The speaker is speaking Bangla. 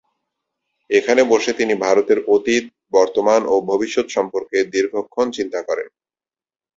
এখানে বসে তিনি ভারতের অতীত, বর্তমান ও ভবিষ্যৎ সম্পর্কে দীর্ঘক্ষণ চিন্তা করেন।